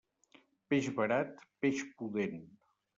Peix barat, peix pudent.